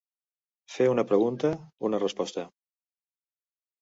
Fer una pregunta, una resposta.